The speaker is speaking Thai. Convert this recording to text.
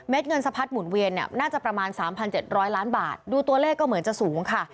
เงินสะพัดหมุนเวียนเนี่ยน่าจะประมาณ๓๗๐๐ล้านบาทดูตัวเลขก็เหมือนจะสูงค่ะ